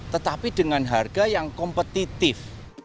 tetapi dengan harga yang kompetitif